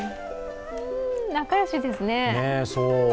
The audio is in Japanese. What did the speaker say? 仲よしですね。